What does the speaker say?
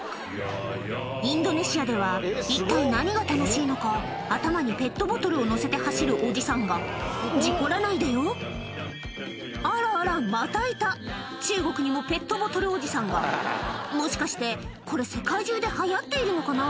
インドネシアでは一体何が楽しいのか頭にペットボトルをのせて走るおじさんが事故らないでよあらあらまたいた中国にもペットボトルおじさんがもしかしてこれ世界中で流行っているのかな？